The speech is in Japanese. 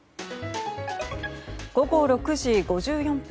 午後６時５４分。